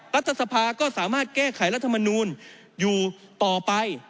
รัฐสภาก็สามารถแก้ไขรัฐมนูลอยู่ต่อไป